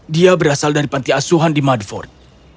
dia berasal dari pantiasuhan di mudford